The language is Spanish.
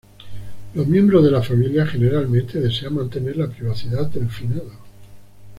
Los miembros de la familia generalmente desean mantener la privacidad del finado.